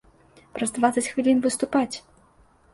Праз дваццаць хвілін выступаць!